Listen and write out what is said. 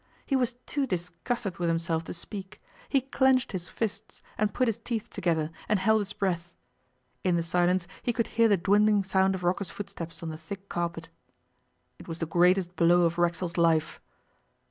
He was too disgusted with himself to speak. He clenched his fists, and put his teeth together, and held his breath. In the silence he could hear the dwindling sound of Rocco's footsteps on the thick carpet. It was the greatest blow of Racksole's life.